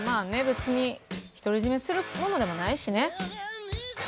別に独り占めするものでもないしね。